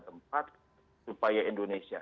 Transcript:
tempat supaya indonesia